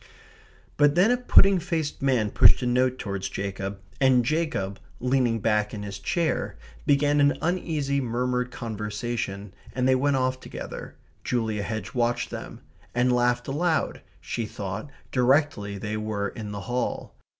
But then a pudding faced man pushed a note towards Jacob, and Jacob, leaning back in his chair, began an uneasy murmured conversation, and they went off together (Julia Hedge watched them), and laughed aloud (she thought) directly they were in the hall.